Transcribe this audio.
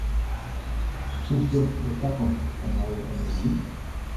Hoe sjochst de takomst fan nije enerzjy?